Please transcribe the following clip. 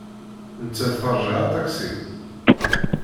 Nettat teṛja aṭaksi.